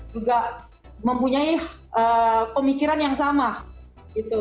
juga mempunyai pemikiran yang sama gitu